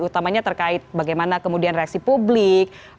utamanya terkait bagaimana kemudian reaksi publik